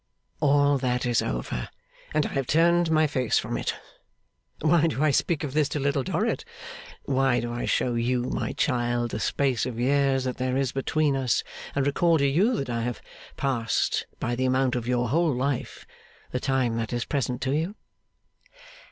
'All that is over, and I have turned my face from it. Why do I speak of this to Little Dorrit? Why do I show you, my child, the space of years that there is between us, and recall to you that I have passed, by the amount of your whole life, the time that is present to you?